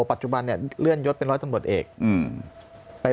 ปัจจุบันเนี่ยเลื่อนยศเป็นร้อยตำรวจเอก